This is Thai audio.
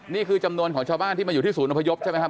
นี่คือจำนวนของชาวบ้านที่มาอยู่ที่ศูนย์อพยพใช่ไหมครับ